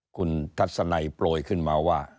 คุณทัศนัยโปรยขึ้นมาว่า